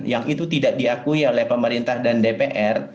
yang itu tidak diakui oleh pemerintah dan dpr